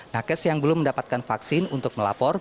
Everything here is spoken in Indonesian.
nakes yang belum mendapatkan vaksin untuk melapor